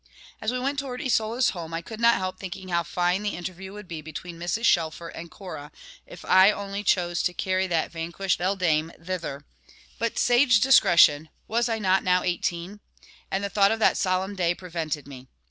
As we went towards Isola's home, I could not help thinking how fine the interview would be between Mrs. Shelfer and Cora, if I only chose to carry that vanquished beldame thither; but sage discretion (was I not now eighteen?), and the thought of that solemn day prevented me.